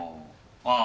ああ！